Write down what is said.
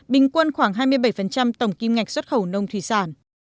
bình quân khoảng hai mươi bảy tổng kim ngạch xuất khẩu nông thủy sản